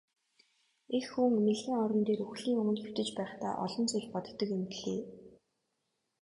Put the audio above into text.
Эх хүн эмнэлгийн орон дээр үхлийн өмнө хэвтэж байхдаа олон зүйл боддог юм билээ.